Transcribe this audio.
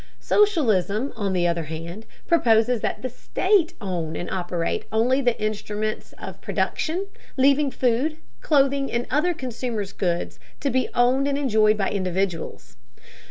Socialism, on the other hand, proposes that the state own and operate only the instruments of production, leaving food, clothing, and other consumers' goods to be owned and enjoyed by individuals.